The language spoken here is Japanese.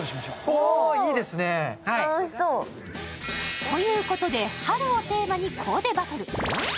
おおっ、いいですね。ということで春をテーマにコーデバトル。